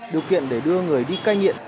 điều kiện để đưa người đi cai nghiện